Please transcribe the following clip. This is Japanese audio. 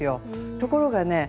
ところがね